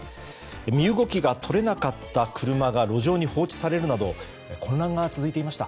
身動きが取れなかった車が路上に放置されるなど混乱が続いていました。